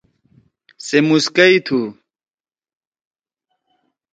سے مُسکئی تُھو۔